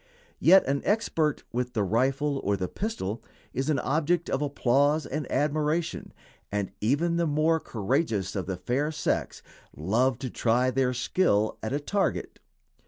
Yet an expert with the rifle or the pistol is an object of applause and admiration, and even the more courageous of the fair sex love to try their skill at a target.